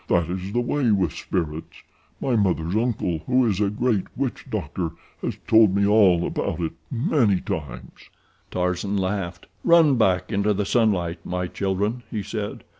That is the way with spirits. My mother's uncle, who is a great witch doctor, has told me all about it many times." Tarzan laughed. "Run back into the sunlight, my children," he said.